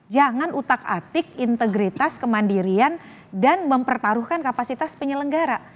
jangan utak atik integritas kemandirian dan mempertaruhkan kapasitas penyelenggara